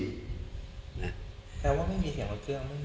แค่ว่าไม่มีเสียงแบบเครื่อง